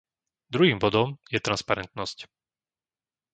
Druhým bodom je transparentnosť.